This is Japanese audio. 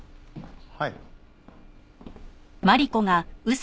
はい。